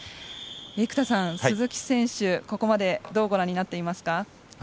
生田さん、鈴木選手、ここまでどうご覧になっていますか？